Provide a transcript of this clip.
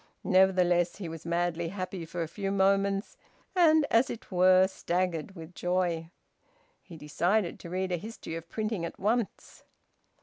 Nevertheless he was madly happy for a few moments, and as it were staggered with joy. He decided to read a history of printing at once.